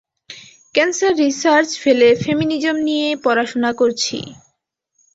Cancer research ফেলে feminism নিয়ে পড়াশুনা করছি।